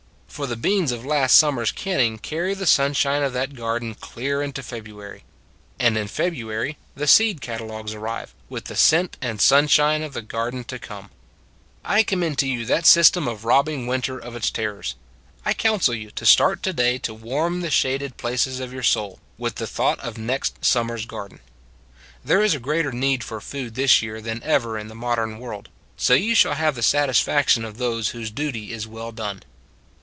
For the beans of last summer s canning carry the sunshine of that garden clear into February: and in February the seed cat alogs arrive, with the scent and sunshine of the garden to come. I commend to you that system of rob 156 It s a Good Old World bing winter of its terrors: I counsel you to start to day to warm the shaded places of your soul with the thought of next sum mer s garden. There is greater need for food this year than ever in the modern world so you shall have the satisfaction of those whose duty is well done.